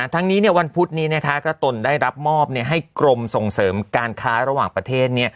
ทั้งนี้วันพุธนี้ก็ตนได้รับมอบให้กรมส่งเสริมการค้าระหว่างประเทศ